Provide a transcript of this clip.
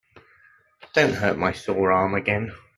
Don't hurt my sore arm again.